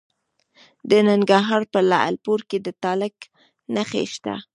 د ننګرهار په لعل پورې کې د تالک نښې شته.